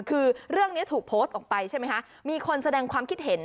คือเรื่องนี้ถูกโพสต์ออกไปใช่ไหมคะมีคนแสดงความคิดเห็น